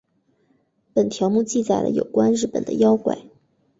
本条目记载了有关日本的妖怪。